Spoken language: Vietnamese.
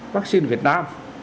vaccine việt nam